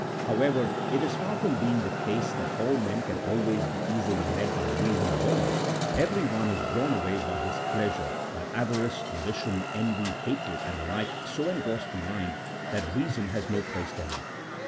However, it is far from being the case that all men can always be easily led by reason alone ; everyone is drawn away by his plea sure, while avarice, ambition, envy, hatred, and the like so engross the mind that reason has no place therein.